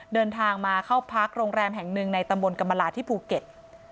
เดินทางมาเข้าพักโรงแรมแห่งหนึ่งในตำบลกรรมลาที่ภูเก็ต